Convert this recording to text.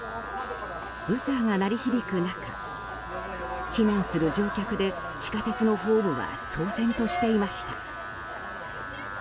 ブザーが鳴り響く中避難する乗客で地下鉄のホームは騒然としていました。